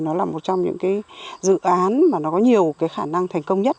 nó là một trong những cái dự án mà nó có nhiều cái khả năng thành công nhất